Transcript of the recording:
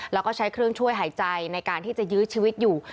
แล้วก็ใช้เครื่องช่วยหายใจในการที่จะยื้อชีวิตอยู่